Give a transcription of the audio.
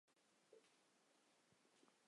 南马农布管辖。